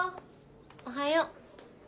・おはよう。